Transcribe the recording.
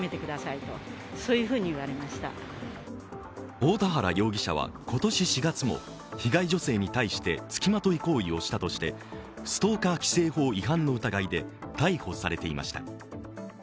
太田原容疑者は今年４月も被害女性に対して付きまとい行為をしたとしてストーカー規制法違反の疑いで逮捕されていました。